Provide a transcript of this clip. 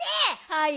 はい。